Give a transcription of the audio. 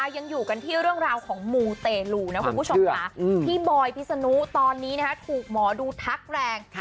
ยังอยู่กันที่เรื่องราวของมูเตลูนะคุณผู้ชมค่ะพี่บอยพิษนุตอนนี้ถูกหมอดูทักแรง